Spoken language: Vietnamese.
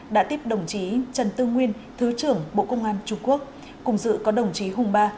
đã tiếp đồng chí trần tư nguyên thứ trưởng bộ công an trung quốc cùng dự có đồng chí hùng ba